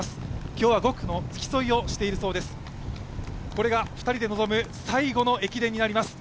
今日は５区の付き添いをしているそうです。